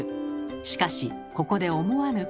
しかしここで思わぬことが！